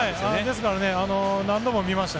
ですから何度も見ました。